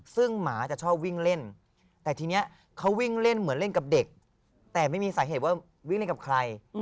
ซึ่งหมาจะชอบวิ่งเล่นแต่ทีนี้เขาวิ่งเล่นเหมือนเล่นกับเด็กแต่ไม่มีสาเหตุว่าวิ่งเล่นกับใคร